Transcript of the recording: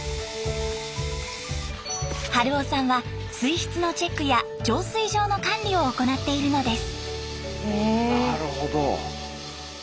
春生さんは水質のチェックや浄水場の管理を行っているのです。